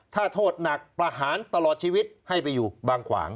ถ้าโทษหนักประหารตลอดชีวิตให้ไปอยู่บางขวาง